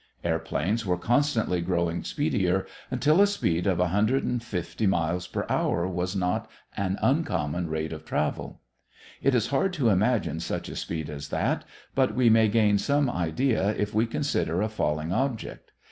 Airplanes were constantly growing speedier, until a speed of 150 miles per hour was not an uncommon rate of travel. It is hard to imagine such a speed as that, but we may gain some idea if we consider a falling object.